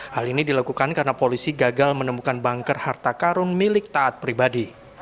hal ini dilakukan karena polisi gagal menemukan banker harta karun milik taat pribadi